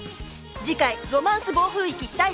次回「ロマンス暴風域」第３話。